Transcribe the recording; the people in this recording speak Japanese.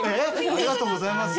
ありがとうございます。